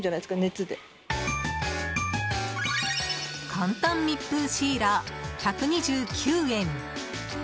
簡単密封シーラー、１２９円。